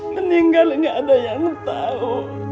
meninggal gak ada yang tau